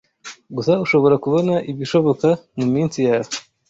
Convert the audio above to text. Gusa ushobora kubona ibishoboka muminsi yawe